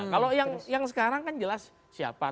kalau yang sekarang kan jelas siapa